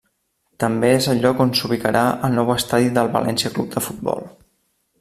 També és el lloc on s'ubicarà el nou estadi del València Club de Futbol.